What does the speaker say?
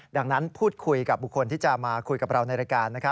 ดังนั้นพูดคุยกับบุคคลที่จะมาคุยกับเราในรายการ